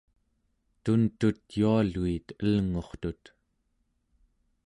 tuntut yualuit elngurtut